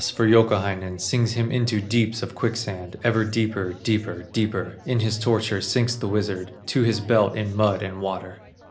for Youkahainen, Sings him into deeps of quick sand; Ever deeper, deeper, deeper, In his torture, sinks the wizard, To his belt in mud and water.